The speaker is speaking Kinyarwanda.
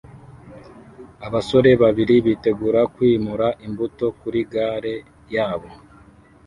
Abasore babiri bitegura kwimura imbuto kuri gare yabo